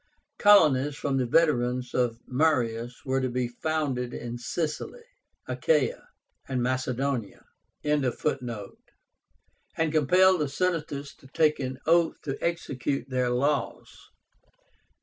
Colonies from the veterans of Marius were to be founded in Sicily, Achaia, and Macedonia.) and compelled the Senators to take an oath to execute their laws.